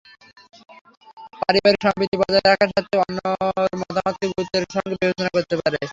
পারিবারিক সম্প্রীতি বজায় রাখার স্বার্থে অন্যের মতামতকে গুরুত্বের সঙ্গে বিবেচনা করতে পারে।